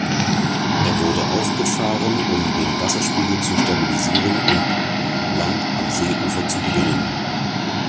Er wurde aufgefahren, um den Wasserspiegel zu stabilisieren und Land am Seeufer zu gewinnen.